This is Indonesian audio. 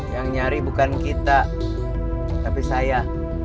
yang nyari bukan kita tapi saya